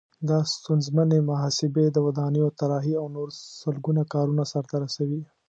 دا ستونزمنې محاسبې، د ودانیو طراحي او نور سلګونه کارونه سرته رسوي.